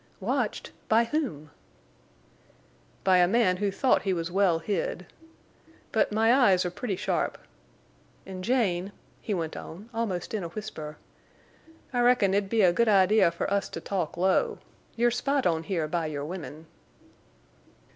"Watched? By whom?" "By a man who thought he was well hid. But my eyes are pretty sharp. An', Jane," he went on, almost in a whisper, "I reckon it'd be a good idea for us to talk low. You're spied on here by your women."